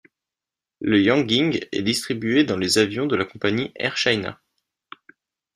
La Yanging est distribuée dans les avions de la compagnie Air China.